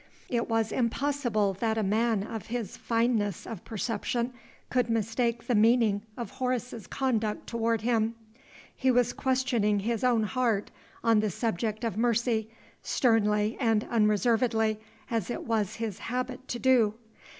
It was impossible that a man of his fineness of perception could mistake the meaning of Horace's conduct toward him. He was questioning his own heart, on the subject of Mercy, sternly and unreservedly as it was his habit to do.